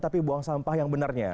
tapi buang sampah yang benarnya